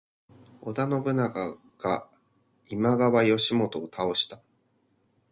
織田信長が今川義元を倒した。